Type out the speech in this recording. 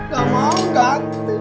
gak mau ganti